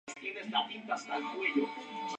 La victoria fue de las fuerzas federales.